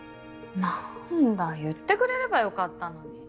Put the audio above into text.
何だ言ってくれればよかったのに。